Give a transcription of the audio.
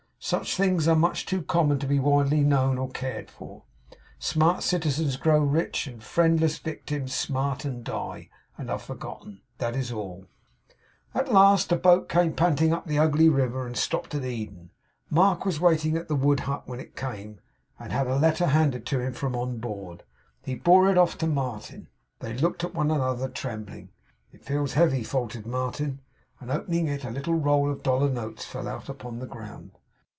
Such things are much too common to be widely known or cared for. Smart citizens grow rich, and friendless victims smart and die, and are forgotten. That is all. At last a boat came panting up the ugly river, and stopped at Eden. Mark was waiting at the wood hut when it came, and had a letter handed to him from on board. He bore it off to Martin. They looked at one another, trembling. 'It feels heavy,' faltered Martin. And opening it a little roll of dollar notes fell out upon the ground.